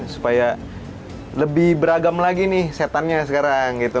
supaya lebih beragam lagi nih setannya sekarang gitu